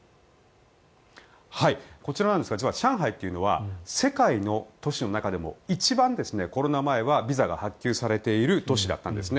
こちらなんですが上海というのは世界の都市の中でも一番コロナ前はビザが発給されている都市だったんですね。